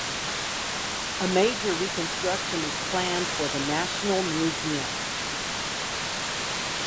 A major reconstruction is planned for the National Museum.